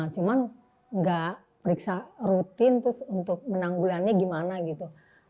cuma nggak periksa rutin terus untuk menanggulannya gimana gitu